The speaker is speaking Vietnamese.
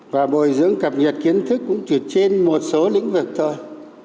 và bồi dưỡng cập nhật kiến thức cũng chỉ trên một số lĩnh vực thôi